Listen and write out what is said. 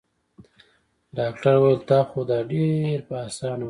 ډاکټر وويل تا خو دا ډېر په اسانه وويل.